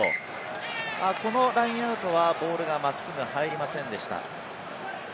このラインアウトはボールが真っすぐ入りませんでした。